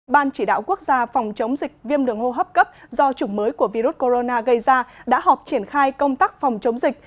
ban chỉ đạo quốc gia phòng chống dịch viêm đường hô hấp cấp do chủng mới của virus corona gây ra đã họp triển khai công tác phòng chống dịch